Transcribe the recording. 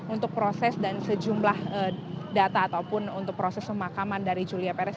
untuk proses dan sejumlah data ataupun untuk proses pemakaman dari julia perez